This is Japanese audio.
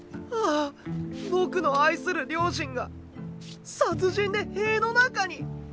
ああ僕の愛する両親が殺人で塀の中に。